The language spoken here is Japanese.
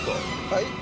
はい？